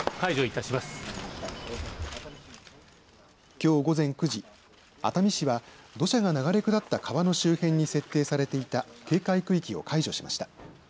きょう午前９時熱海市は土砂が流れ下った川の周辺に設定されていた警戒区域を解除しました。